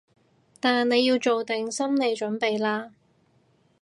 但你要做定心理準備喇